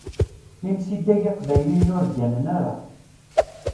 Imsidag iqbayliyen ur gganen ara.